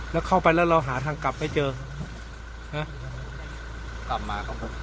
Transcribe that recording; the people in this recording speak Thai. แล้วเข้าไปแล้วเราหาทางกลับให้เจอฮะ